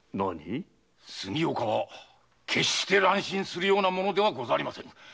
杉岡は決して乱心するような者ではござりませぬ。